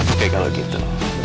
oke kalau gitu